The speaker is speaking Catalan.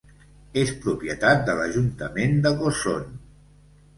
És propietat de l'ajuntament de Gozón.